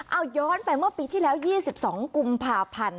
เอาย้อนไปเมื่อปีที่แล้ว๒๒กุมภาพันธ์